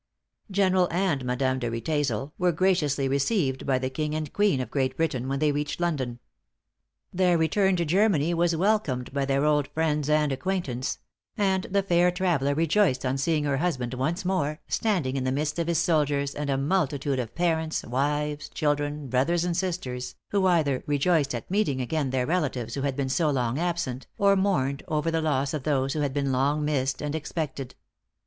General and Madame de Riedesel were graciously received by the king and queen of Great Britain when they reached London. Their return to Germany was welcomed by their old friends and acquaintance; and the fair traveller rejoiced on seeing her husband once more "standing in the midst of his soldiers, and a multitude of parents, wives, children, brothers and sisters, who either rejoiced at meeting again their relatives who had been so long absent, or mourned over the loss of those who had been long missed and expected."